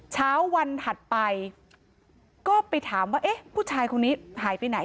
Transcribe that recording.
เช้าวันถัดไปก็ไปถามว่าเอ๊ะผู้ชายคนนี้หายไปไหน